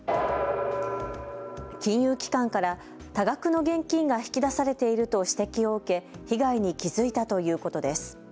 金融機関から多額の現金が引き出されていると指摘を受け被害に気付いたということです。